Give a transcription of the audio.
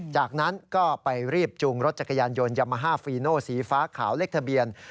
จากนั้นก็ไปรีบจูงรถจักรยานยนต์ยามาฮาฟีโนสีฟ้าขาวเลขทะเบียน